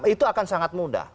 itu akan sangat mudah